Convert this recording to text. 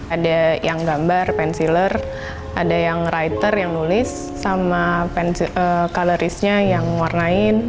ada yang gambar pensiler ada yang writer yang nulis sama coloristnya yang ngornain